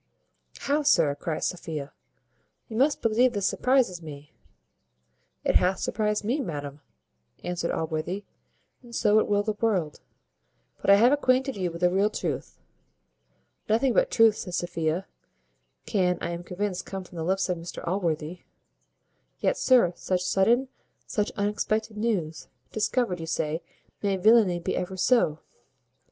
"How, sir!" cries Sophia "you must believe this surprizes me." "It hath surprized me, madam," answered Allworthy, "and so it will the world. But I have acquainted you with the real truth." "Nothing but truth," says Sophia, "can, I am convinced, come from the lips of Mr Allworthy. Yet, sir, such sudden, such unexpected news. Discovered, you say may villany be ever so!"